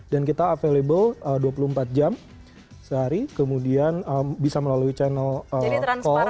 kita available dua puluh empat jam sehari kemudian bisa melalui channel call